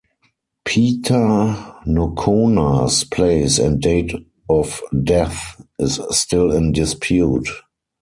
Peta Nocona's place and date of death is still in dispute.